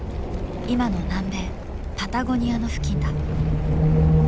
今の南米パタゴニアの付近だ。